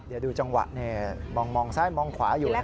เดี๋ยวดูจังหวะนี่มองซ้ายมองขวาอยู่นะครับ